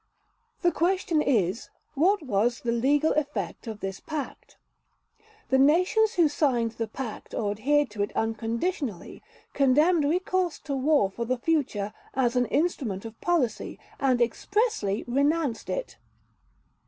The question is, what was the legal effect of this Pact? The nations who signed the Pact or adhered to it unconditionally condemned recourse to war for the future as an instrument of policy, and expressly renounced it.